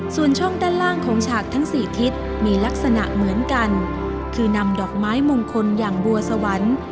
ส่วนช่องด้านล่างของฉากทั้งสี่ทิศมีลักษณะเหมือนกันคือนำดอกไม้มงคลอย่างบัวสวรรค์